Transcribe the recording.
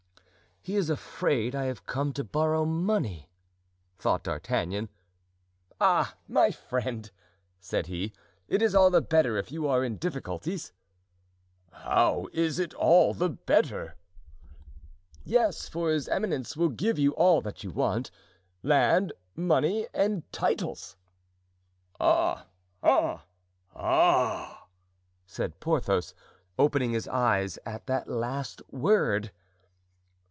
"He is afraid I have come to borrow money," thought D'Artagnan. "Ah, my friend," said he, "it is all the better if you are in difficulties." "How is it all the better?" "Yes, for his eminence will give you all that you want—land, money, and titles." "Ah! ah! ah!" said Porthos, opening his eyes at that last word.